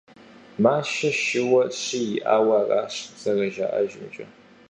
Машэ шыуэ щий иӀауэ аращ, зэражаӀэжымкӀэ.